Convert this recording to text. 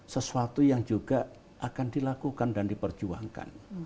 sesuatu yang juga akan dilakukan dan diperjuangkan